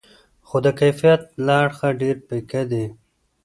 خو د کیفیت له اړخه ډېر پیکه دي.